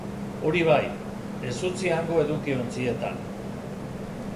Hori bai, ez utzi hango edukiontzietan.